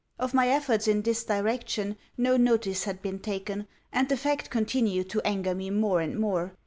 Of my efforts in this direction no notice had been taken, and the fact continued to anger me more and more.